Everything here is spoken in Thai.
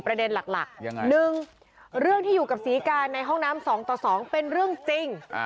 ๑เรื่องที่อยู่กับศรีกาในห้องน้ำ๒ต่อ๒เป็นเรื่องจริง